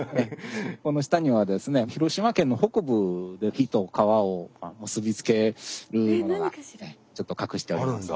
この下にはですね広島県の北部で火と川を結び付けるものがちょっと隠しておりますんで。